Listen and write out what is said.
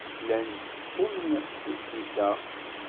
Llan ttekken i tlisa.